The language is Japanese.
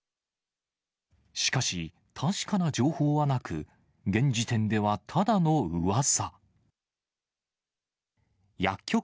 しかし、確かな情報はなく、現時点ではただのうわさ。